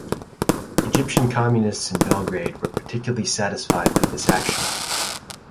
Egyptian communists in Belgrade were particularly satisfied with this action.